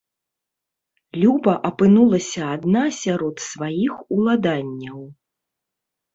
Люба апынулася адна сярод сваіх уладанняў.